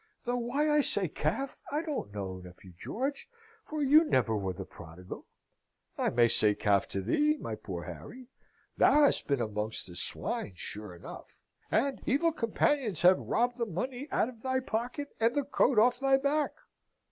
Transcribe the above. Though why I say calf, I don't know, nephew George, for you never were the prodigal. I may say calf to thee, my poor Harry! Thou hast been amongst the swine sure enough. And evil companions have robbed the money out of thy pocket and the coat off thy back.